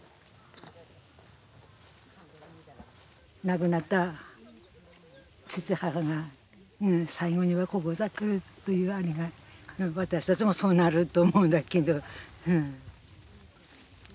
亡くなった父母が最後にはここさ来るというあれが私たちもそうなると思うんだけど。